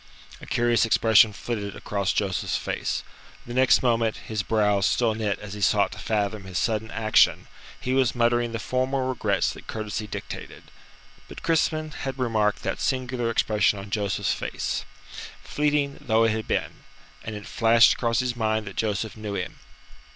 A curious expression flitted across Joseph's face. The next moment, his brows still knit as he sought to fathom his sudden action, he was muttering the formal regrets that courtesy dictated. But Crispin had remarked that singular expression on Joseph's face fleeting though it had been and it flashed across his mind that Joseph knew him.